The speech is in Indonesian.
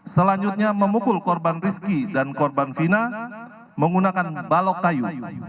selanjutnya memukul korban rizki dan korban fina menggunakan balok kayu